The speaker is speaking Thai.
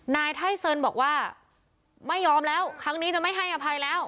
นายไทเซินบอกว่าไม่ยอมแล้วครั้งนี้จะไม่ให้อภัยแล้ว